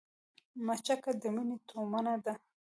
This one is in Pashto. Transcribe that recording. مچکه د مينې تومنه ده